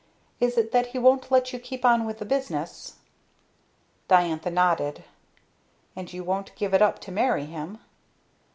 "Is it that he won't let you keep on with the business?" Diantha nodded. "And you won't give it up to marry him?"